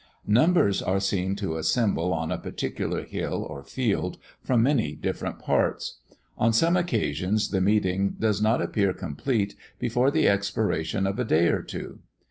Numbers are seen to assemble on a particular hill or field, from many different parts. On some occasions, the meeting does not appear complete before the expiration of a day or two.